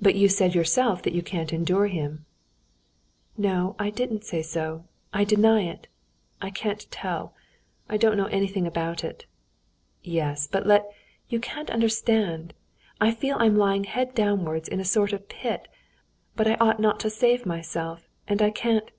"But you said yourself that you can't endure him." "No, I didn't say so. I deny it. I can't tell, I don't know anything about it." "Yes, but let...." "You can't understand. I feel I'm lying head downwards in a sort of pit, but I ought not to save myself. And I can't...."